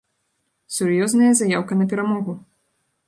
Сур'ёзная заяўка на перамогу.